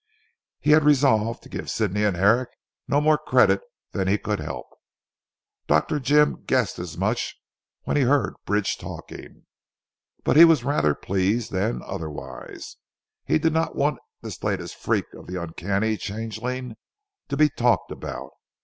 He had resolved to give Sidney and Herrick no more credit than he could help. Dr. Jim guessed as much when he heard Bridge talking. But he was rather pleased than otherwise. He did not want this latest freak of the uncanny changeling to be talked about.